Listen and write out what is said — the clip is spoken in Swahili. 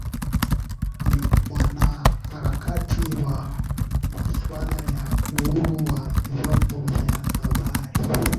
ni mwanaharakati wa maswala ya uhuru wa vyombo vya habari